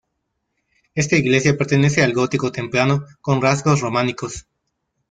Esta iglesia pertenece al gótico temprano con rasgos románicos.